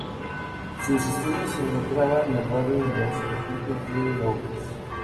Sus estudios se encontraban en el barrio Los Cortijos de Lourdes.